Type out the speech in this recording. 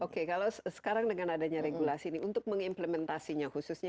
oke kalau sekarang dengan adanya regulasi ini untuk mengimplementasinya khususnya